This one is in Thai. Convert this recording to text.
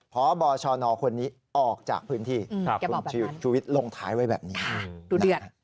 พบชนคนนี้ออกจากพื้นที่คุณชูวิทย์ลงท้ายไว้แบบนี้